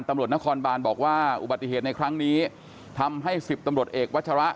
ตำรวจนครบานบอกว่าอุบัติเหตุในครั้งนี้ทำให้๑๐ตำรวจเอกวัชระ